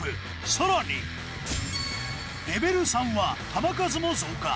更にレベル３は球数も増加。